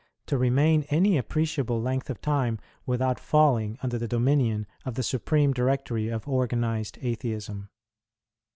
to remain any appreciable length of time without falling under the dominion of the Supreme Directory of organized Atheism.